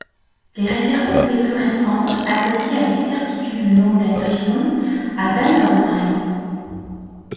Les références les plus récentes associent avec certitude le nom d'Henryson à Dunfermline.